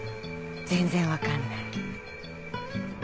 全然分かんない。